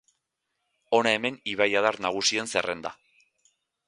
Hona hemen ibaiadar nagusien zerrenda.